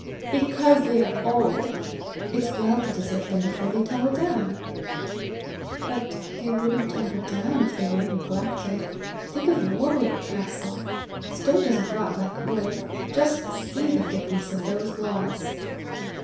"Because they are old. It's well to desert them before they tumble down." "But they wouldn't tumble down if they weren't neglected. Think of Warwick castle! Stone doesn't rot like wood! Just see the thickness of those walls!"